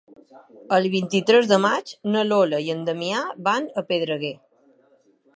El vint-i-tres de maig na Lola i en Damià van a Pedreguer.